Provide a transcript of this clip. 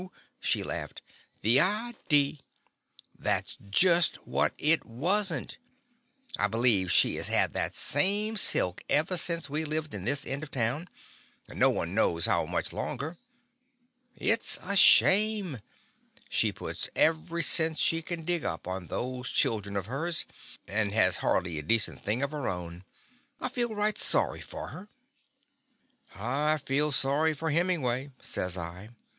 she laughed. "The idee! That 's just what it was n't. I be lieve she has had that same silk ever since we have lived in this end of town, and no one knows how much The Confessions of a Daddy longer. It 's a shame. She puts every cent she can dig up on those children of hers, and has hardly a de cent thing of her own. I feel right sorry for her.'' "I feel sorry for Hemingway/' says I.